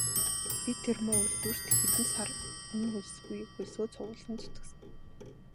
Би тэр муу үйлдвэрт хэдэн сар үнэ хөлсгүй хөлсөө цувуулан зүтгэсэн.